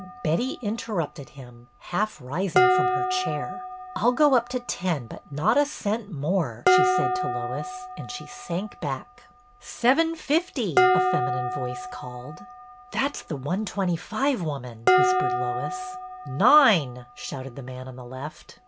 Betty interrupted him, half rising from her chair. I 'll go up to ten but not a cent more," she said to Lois, and she sank back. Seven fifty !" a feminine voice called. That 's the one twenty five woman," whis pered Lois. ^'Nine! " shouted the man on the left.